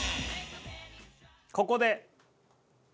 ここで。